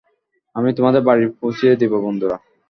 আমি তোমাদের বাড়িতে পৌঁছিয়ে দেব, বন্ধুরা।